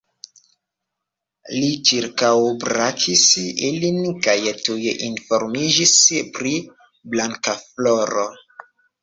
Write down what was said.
Li ĉirkaŭbrakis ilin kaj tuj informiĝis pri Blankafloro.